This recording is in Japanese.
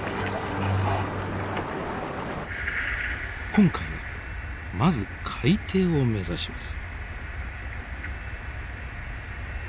今回はまず海底を目指します。